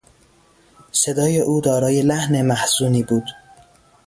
صدای او دارای لحن محزونی بود.